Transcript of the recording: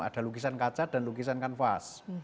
ada lukisan kaca dan lukisan kanvas